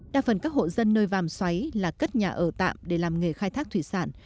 đa phần các hộ dân nơi vàm xoáy là cất nhà ở tạm để làm nghề khai thác thủy sản